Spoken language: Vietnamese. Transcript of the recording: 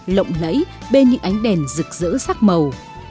lộng lẫy bên những ánh đèn rực rỡ sắc màu